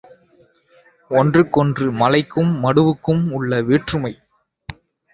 ஒன்றுக்கொன்று மலைக்கும், மடுவுக்கும் உள்ள வேற்றுமை.